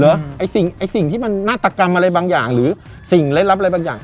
ไอ้สิ่งที่มันนาฏกรรมอะไรบางอย่างหรือสิ่งเล่นลับอะไรบางอย่าง